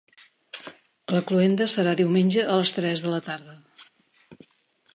La cloenda serà diumenge a les tres de la tarda.